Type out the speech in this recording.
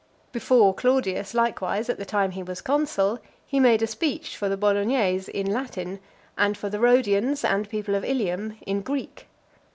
Before Claudius, likewise, at the time he was consul, he made a speech for the Bolognese, in Latin, and for the Rhodians and people of Ilium, in Greek.